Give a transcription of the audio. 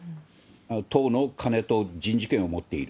党の金と人事権を持っている。